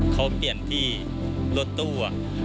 เขาเปลี่ยนที่รถตู้